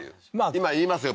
今言いますよ